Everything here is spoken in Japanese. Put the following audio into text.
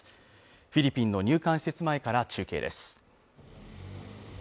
フィリピンの入管施設前から中継です